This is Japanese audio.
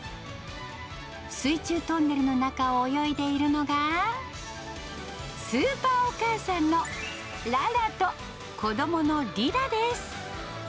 水中トンネルの中を泳いでいるのが、スーパーお母さんのララと子どものリラです。